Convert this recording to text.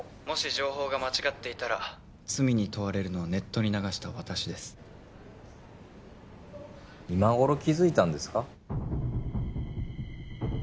もし情報が間違っていたら罪に問われるのはネットに流した私です今頃気づいたんですか？